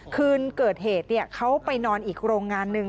คืนเกิดเหตุเขาไปนอนอีกโรงงานหนึ่ง